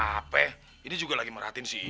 nggak ada apa apa ini juga lagi merhatiin si irun